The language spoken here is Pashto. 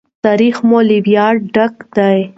تاریخ مو له ویاړه ډک دی.